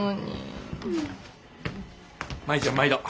舞ちゃん毎度。